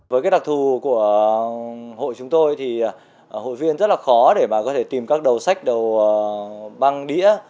với đặc thù của hội chúng tôi hội viên rất khó để tìm các đầu sách đầu băng đĩa